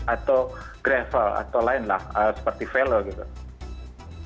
atau gravel atau lainlah seperti velo gitu